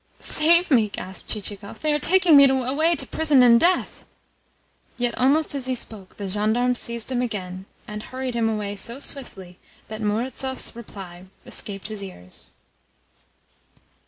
"Save me!" gasped Chichikov. "They are taking me away to prison and death!" Yet almost as he spoke the gendarmes seized him again, and hurried him away so swiftly that Murazov's reply escaped his ears.